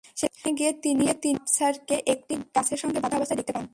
সেখানে গিয়ে তিনি আবছারকে একটি গাছের সঙ্গে বাঁধা অবস্থায় দেখতে পান।